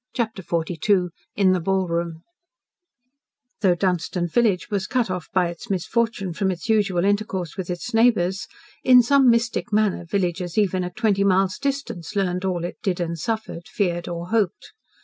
CHAPTER XLII IN THE BALLROOM Though Dunstan village was cut off, by its misfortune, from its usual intercourse with its neighbours, in some mystic manner villages even at twenty miles' distance learned all it did and suffered, feared or hoped.